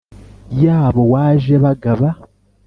y’abo waje bagaba?